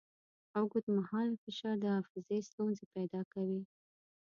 اوږدمهاله فشار د حافظې ستونزې پیدا کوي.